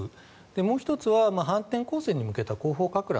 もう１つは、反転攻勢に向けた広報かく乱。